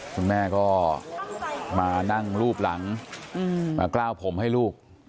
คุณแม่ก็มานั่งรูปหลังมากล้าวผมให้ลูก